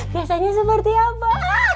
biasanya seperti apa